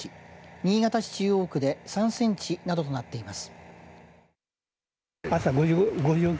新潟市中央区で３センチなどとなっています。